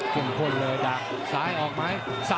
จึงโค่นธิวดักซ้ายออกมั้ย